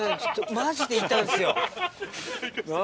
マジでいたんすよ